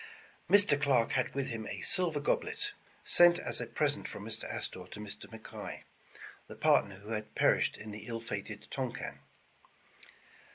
Mr. Clarke had with him a silver goblet, sent as a pres ent from Mr. Astor to Mr. McKay, the partner who had perished in the ill fated Tonquin.